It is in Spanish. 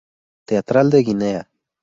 Teatral de Guinea.